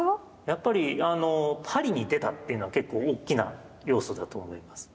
やっぱりパリに出たっていうのは結構大きな要素だと思います。